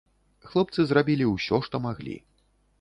Хлопцы зрабілі ўсё, што маглі.